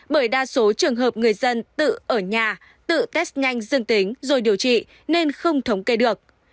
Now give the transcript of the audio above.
bởi đa số trường hợp người dân tự ở nhà tự test nhanh dương tính rồi điều trị nên không thống kê được